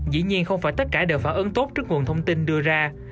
dĩ nhiên không phải tất cả đều phản ứng tốt trước nguồn thông tin đưa ra